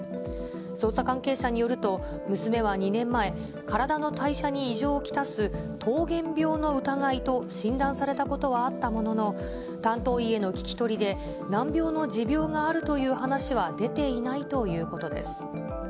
捜査関係者によると、娘は２年前、体の代謝に異常をきたす糖原病の疑いと診断されたことはあったものの、担当医への聞き取りで難病の持病があるという話は出ていないということです。